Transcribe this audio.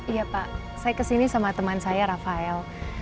iya pak saya kesini sama teman saya rafael